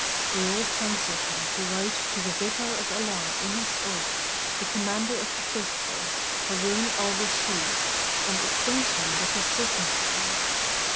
They all counselled him to write to the Vicar of Allah in His earth, the Commander of the Faithful, Harun al Rashid, and acquaint him with his circumstance.